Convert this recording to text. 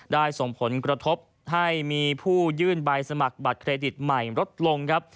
ส่งผลกระทบให้มีผู้ยื่นใบสมัครบัตรเครดิตใหม่ลดลงครับ